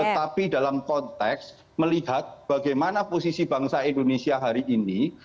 tetapi dalam konteks melihat bagaimana posisi bangsa indonesia hari ini